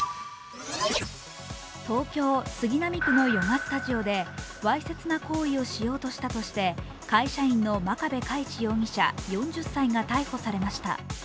東京・杉並区のヨガスタジオで、わいせつな行為をしようとしたとして会社員の真壁佳一容疑者４０歳が逮捕されました。